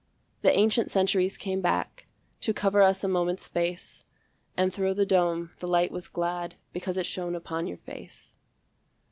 The ancient centuries came back To cover us a moment's space, And thro' the dome the light was glad Because it shone upon your face.